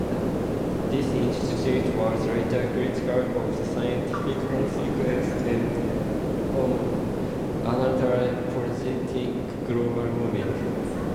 This institute was later critical of the scientific consensus on anthropogenic global warming.